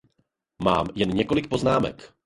Mám jen několik poznámek.